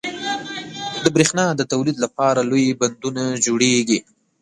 • د برېښنا د تولید لپاره لوی بندونه جوړېږي.